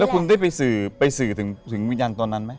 แล้วคุณได้ไปสื่อไปสื่อถึงวิญญาณตัวนั้นไหม